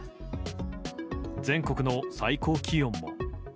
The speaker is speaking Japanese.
全国の最高気温も。